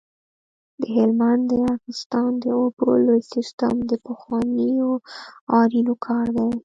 د هلمند د ارغستان د اوبو لوی سیستم د پخوانیو آرینو کار دی